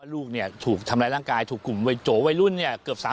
ลูกเนี่ยถูกทำร้ายร่างกายถูกกลุ่มวัยโจวัยรุ่นเนี่ยเกือบ๓๐